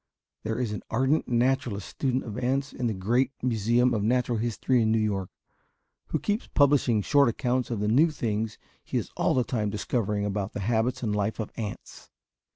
There is an ardent naturalist student of ants in the great museum of natural history in New York, who keeps publishing short accounts of the new things he is all the time discovering about the habits and life of ants.